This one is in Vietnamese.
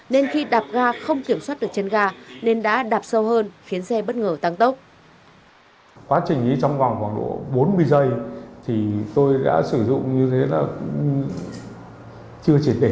nên khi đạp ga không kiểm soát được chân ga nên đã đạp sâu hơn khiến xe bất ngờ tăng tốc